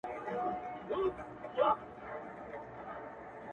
ومي د سترګو نګهبان لکه باڼه ملګري,